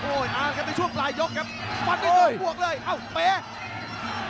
โอ้โหอ่าครับในช่วงปลายยกครับโอ้โหฟันได้สองพวกเลยอ้าวเป๊ะ